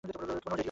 কোন রেডিও নেই!